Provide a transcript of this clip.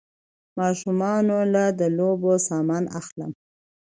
ماشومانو له د لوبو سامان اخلم